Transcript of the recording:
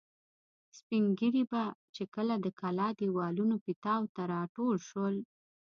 سپین ږیري به چې کله د کلا دېوالونو پیتاوو ته را ټول شول.